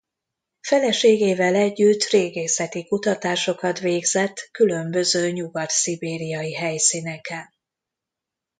Feleségével együtt régészeti kutatásokat végzett különböző nyugat-szibériai helyszíneken.